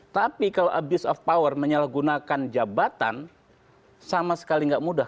tapi kalau abuse of power menyalahgunakan jabatan sama sekali nggak mudah